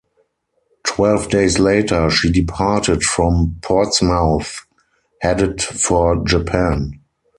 Twelve days later, she departed from Portsmouth headed for Japan.